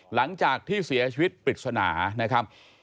หลังจากที่เสียชีวิตปริศนานะครับ